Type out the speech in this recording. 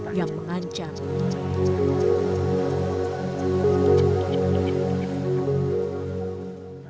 tidak ada yang menanggung batas antara sabana dan hutan musim